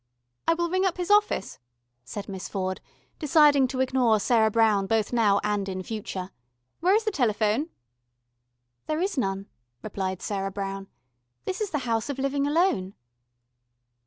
"I will ring up his office," said Miss Ford, deciding to ignore Sarah Brown both now and in future. "Where is the telephone?" "There is none," replied Sarah Brown. "This is the House of Living Alone."